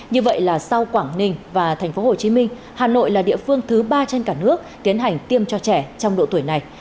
như vậy là sau quảng ninh và tp hcm hà nội là địa phương thứ ba trên cả nước tiến hành tiêm cho trẻ trong độ tuổi này